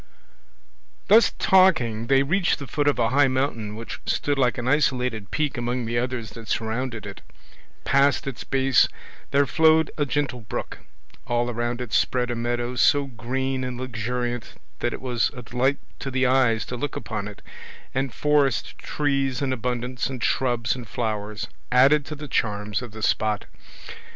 Thus talking they reached the foot of a high mountain which stood like an isolated peak among the others that surrounded it. Past its base there flowed a gentle brook, all around it spread a meadow so green and luxuriant that it was a delight to the eyes to look upon it, and forest trees in abundance, and shrubs and flowers, added to the charms of the spot.